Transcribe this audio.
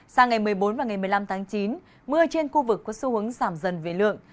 sang ngày một mươi bốn và ngày một mươi năm tháng chín mưa trên khu vực có xu hướng giảm dần về lượng